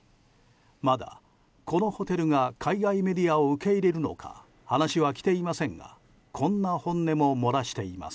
まだ、このホテルが海外メディアを受け入れるのか話は来ていませんがこんな本音も漏らしています。